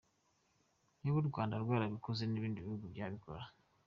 Niba u Rwanda rwarabikoze n’ibindi bihugu byabikora.